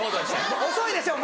遅いですよ